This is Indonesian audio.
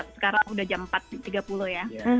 sekarang udah jam empat tiga puluh ya